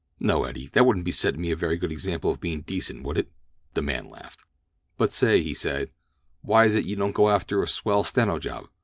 "No, Eddie, that wouldn't be setting me a very good example of being decent, would it?" The man laughed. "But say," he said, "why is it you don't go after a swell steno job?